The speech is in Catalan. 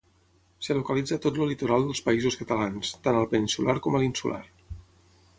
Es localitza a tot el litoral dels Països Catalans, tant al peninsular com a l'insular.